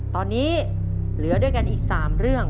ตอนนี้เหลือด้วยกันอีก๓เรื่อง